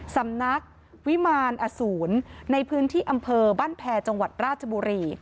สำนักวิมารอสูรในพื้นที่อำเภอบ้านแพรจังหวัดราชบุรี